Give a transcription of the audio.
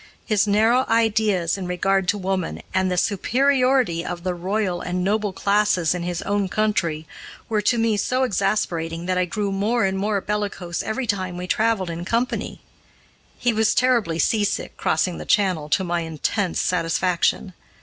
His narrow ideas in regard to woman, and the superiority of the royal and noble classes in his own country, were to me so exasperating that I grew more and more bellicose every day we traveled in company. He was terribly seasick crossing the Channel, to my intense satisfaction.